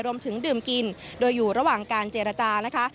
รวมถึงดื่มกินโดยอยู่ระหว่างการเจรจานะคะ